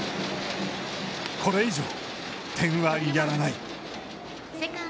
これ以上、点はやらない。